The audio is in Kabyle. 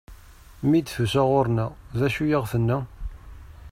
Mi d-tusa ɣur-neɣ, d acu i aɣ-tenna?